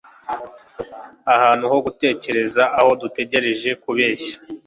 Ahantu ho gutekereza aho dutegereje kubeshya;